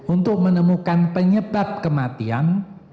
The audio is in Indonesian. untuk menemukan penyebab kematian